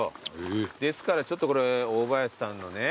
ですからちょっと大林さんのね